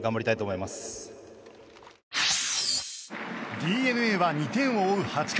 ＤｅＮＡは２点を追う８回。